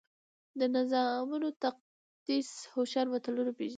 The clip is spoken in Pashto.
د نظامونو تقدس هوښیار ملتونه پېژني.